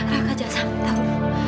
raka jangan sampai tau